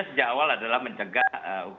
sejak awal adalah mencegah